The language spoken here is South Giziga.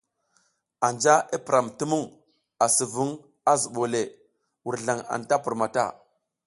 Anja i piram ti mung asi vung a zubole, wurzlang anta pur mata.